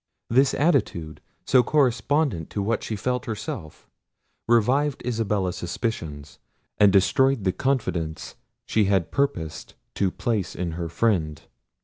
This attitude, so correspondent to what she felt herself, revived Isabella's suspicions, and destroyed the confidence she had purposed to place in her friend.